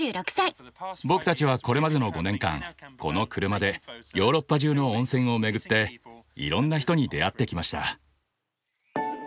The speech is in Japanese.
僕たちはこれまでの５年間この車でヨーロッパ中の温泉を巡っていろんな人に出会ってきました。